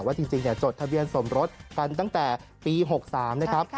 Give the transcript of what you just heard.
จริงจดทะเบียนสมรสกันตั้งแต่ปี๖๓นะครับ